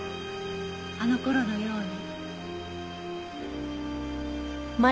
あの頃のように。